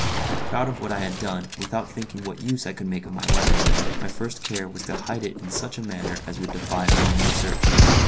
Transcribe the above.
Proud of what I had done, without thinking what use I could make of my weapon, my first care was to hide it in such a manner as would defy a minute search.